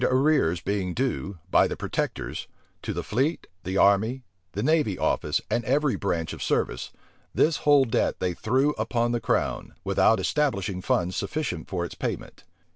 Great arrears being due, by the protectors, to the fleet, the army, the navy office, and every branch of service, this whole debt they threw upon the crown, without establishing funds sufficient for its payment.